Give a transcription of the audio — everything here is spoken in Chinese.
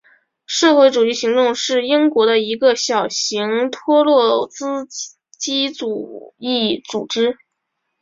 社会主义行动是英国的一个小型托洛茨基主义组织。